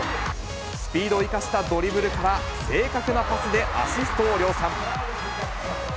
スピードを生かしたドリブルから正確なパスでアシストを量産。